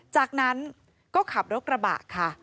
จากนั้นก็ขับรถกระบะค่ะ